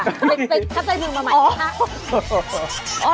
เต็กครับใจมือมาใหม่ค่ะ